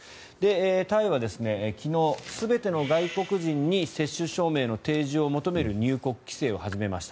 タイは昨日、全ての外国人に接種証明の提示を求める入国規制を始めました。